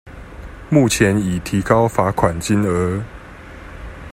目前已提高罰款金額